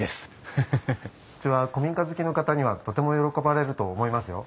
うちは古民家好きの方にはとても喜ばれると思いますよ。